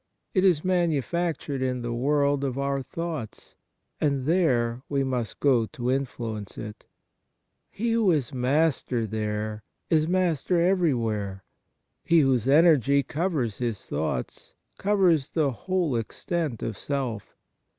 It is manu factured in the world of our thoughts, and there we must go to influence it. He who is master there is master everywhere. He whose energy covers his thoughts, covers the whole extent of self.